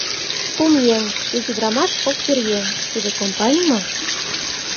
Кум еҥ — ик ӱдрамаш, кок пӧръеҥ — тиде компаний мо?